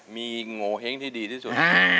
มีโงเห้งที่ดีที่สุด